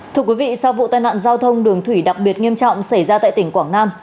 thưa quý vị sau vụ tai nạn giao thông đường thủy đặc biệt nghiêm trọng xảy ra tại tỉnh quảng nam